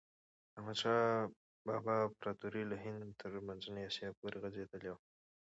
د احمد شاه بابا امپراتوري له هند تر منځنۍ آسیا پورې غځېدلي وه.